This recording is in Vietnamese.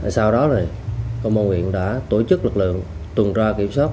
sau đó công an huyện đã tổ chức lực lượng tuần tra kiểm soát